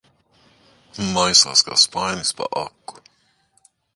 Maisās kā spainis pa aku.